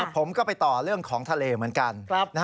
ผมก็ไปต่อเรื่องของทะเลเหมือนกัน